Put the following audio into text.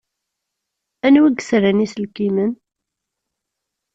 Anwa i yesran iselkimen?